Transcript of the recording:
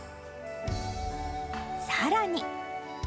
さらに。